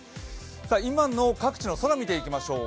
今の各地の空、見ていきましょう。